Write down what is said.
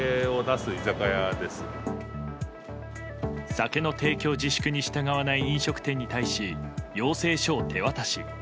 酒の提供自粛に従わない飲食店に対し要請書を手渡し。